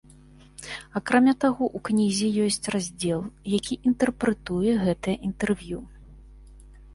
Акрамя таго, у кнізе ёсць раздзел, які інтэрпрэтуе гэтыя інтэрв'ю.